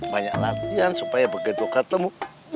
banyak latihan supaya begitu ketemu